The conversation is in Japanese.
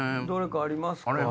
どれかありますか？